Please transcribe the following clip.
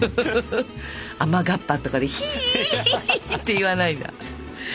雨がっぱとかでひーひーって言わないんだ。